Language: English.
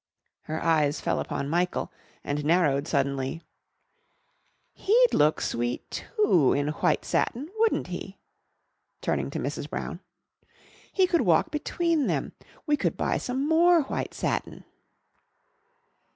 Her eyes fell upon Michael and narrowed suddenly. "He'd look sweet, too, in white satin, wouldn't he?" turning to Mrs. Brown. "He could walk between them.... We could buy some more white satin...."